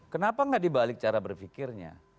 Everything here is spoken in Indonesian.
kenapa nggak dibalik cara berpikirnya